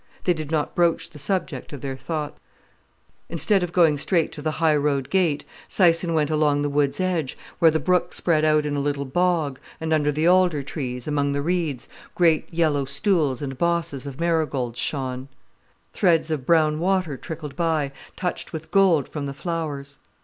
They did not broach the subject of their thoughts. Instead of going straight to the high road gate, Syson went along the wood's edge, where the brook spread out in a little bog, and under the alder trees, among the reeds, great yellow stools and bosses of marigolds shone. Threads of brown water trickled by, touched with gold from the flowers.